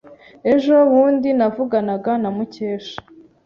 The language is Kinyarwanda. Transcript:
Ejo bundi navuganaga na Mukesha.